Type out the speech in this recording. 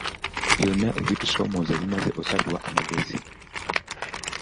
Byonna ebitusoomooza bimaze okusalirwa amagezi.